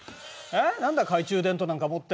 何だ懐中電灯なんか持って。